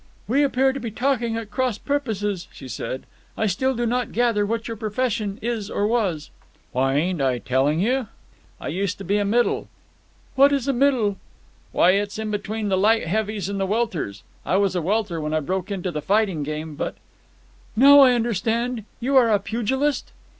"We appear to be talking at cross purposes," she said. "I still do not gather what your profession is or was." "Why, ain't I telling you? I used to be a middle——" "What is a middle?" "Why, it's in between the light heavies and the welters. I was a welter when I broke into the fighting game, but——" "Now I understand. You are a pugilist?"